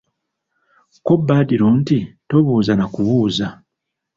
Ko Badru nti tobuuza na kubuuza